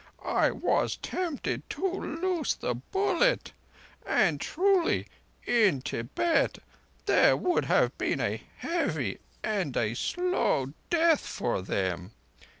"I was tempted to loose the bullet; and truly, in Tibet there would have been a heavy and a slow death for them